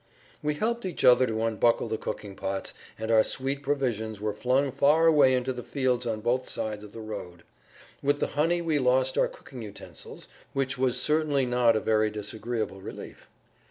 We helped each other to unbuckle the cooking pots, and our sweet provisions were flung far away into the fields on both sides of the road. With the honey we lost our cooking utensils, which was certainly not a very disagreeable relief.